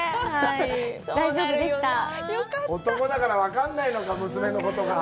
男だから分かんないのか、娘のことが。